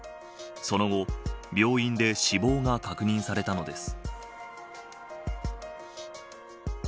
その後、病院で死亡が確認されたのです。